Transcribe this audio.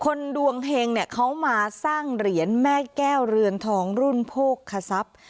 ดวงเฮงเนี่ยเขามาสร้างเหรียญแม่แก้วเรือนทองรุ่นโภคศัพย์